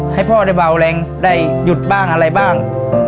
ให้พ่อได้เบาแรงได้หยุดบ้างอะไรบ้าง